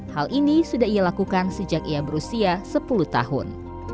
hal ini sudah ia lakukan sejak ia berusia sepuluh tahun